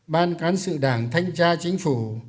ban cán sự đảng thanh tra chính phủ